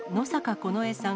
このえさん